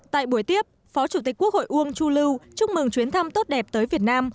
tại buổi tiếp phó chủ tịch quốc hội uông chu lưu chúc mừng chuyến thăm tốt đẹp tới việt nam